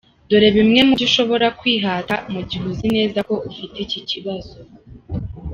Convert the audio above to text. Dore bimwe mu byo ushobora kwihata mu gihe uzi neza ko ufite iki kibazo.